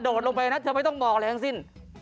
โดดลงไปไหนมันเธอไม่ต้องบอกเลยทั้งสิ้น